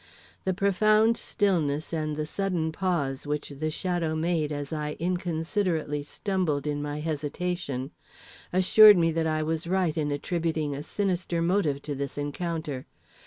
The profound stillness, and the sudden pause which the shadow made as I inconsiderately stumbled in my hesitation, assured me that I was right in attributing a sinister motive to this encounter.